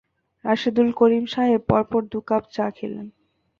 রাশেদুল করিম সাহেব পরপর দু কাপ চা খেলেন।